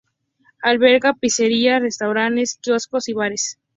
Alberga pizzerías, restaurantes, quioscos y bares.